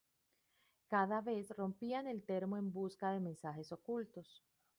Cada vez, rompían el termo en busca de mensajes ocultos.